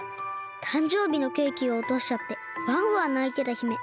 たんじょうびのケーキをおとしちゃってわんわんないてた姫。